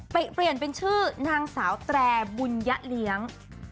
เปลี่ยนเป็นชื่อนางสาวแตรบุญยะเลี้ยง